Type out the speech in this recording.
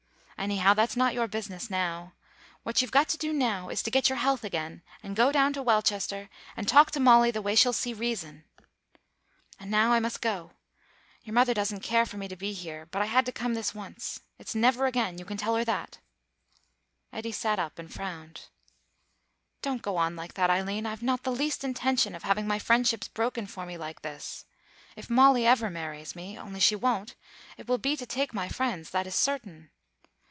Anyhow, that's not your business now. What you've got to do now is to get your health again and go down to Welchester and talk to Molly the way she'll see reason.... And now I must go. Your mother doesn't care for me to be here, but I had to come this once; it's never again, you can tell her that." Eddy sat up and frowned. "Don't go on like that, Eileen. I've not the least intention of having my friendships broken for me like this. If Molly ever marries me only she won't it will be to take my friends; that is certain."